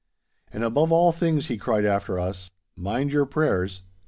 'And, above all things, he cried after us, 'mind your prayers.